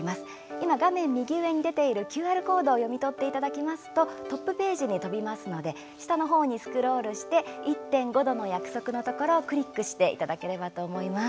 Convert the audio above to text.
今、画面右上に出ているＱＲコードを読み取っていただきますとトップページに飛びますので下の方にスクロールして「１．５℃の約束」のところをクリックしていただければと思います。